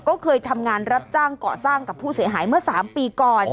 ก็เคยทำงานรับจ้างเกาะสร้างกับผู้เสียหายเมื่อ๓ปีก่อน